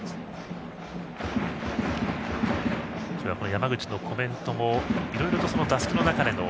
山口のコメントもいろいろと打席の中での